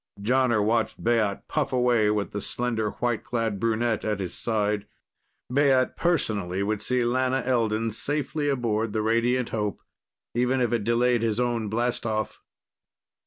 Jonner watched Baat puff away, with the slender, white clad brunette at his side. Baat personally would see Lana Elden safely aboard the Radiant Hope, even if it delayed his own blastoff.